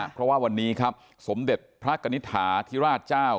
เพราะว่าวันนี้ครับสมเด็จพระกณิตฐาธิราชเจ้า